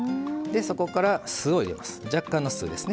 そこから酢を入れます。